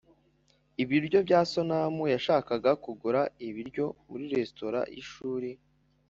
ibiryo bya Sonamu yashakaga kugura ibiryo mu resitora y ishuri